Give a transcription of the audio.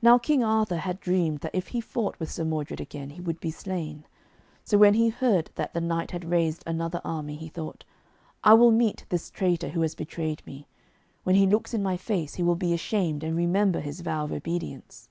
Now King Arthur had dreamed that if he fought with Sir Modred again he would be slain. So when he heard that the knight had raised another army, he thought, 'I will meet this traitor who has betrayed me. When he looks in my face, he will be ashamed and remember his vow of obedience.'